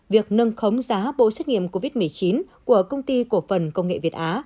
việc nâng khống giá bộ xét nghiệm covid một mươi chín của công ty cổ phần công nghệ việt á